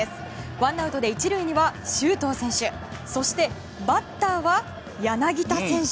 ワンアウトで１塁には周東選手そしてバッターは柳田選手。